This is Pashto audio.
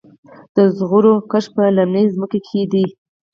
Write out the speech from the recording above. د زغرو کښت په للمي ځمکو کې دی.